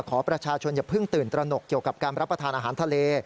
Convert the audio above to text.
ขอประชาชนอย่าเพิ่งตื่นตระหนกเกี่ยวกับการรับประทานอาหารทะเล